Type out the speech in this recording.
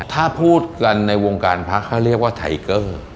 ถ้าพูดกันในวงการพระเขาเรียกว่าไทเกอร์